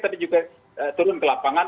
tadi juga turun ke lapangan